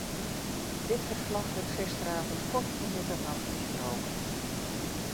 Dit verslag werd gisteravond kort voor middernacht besproken.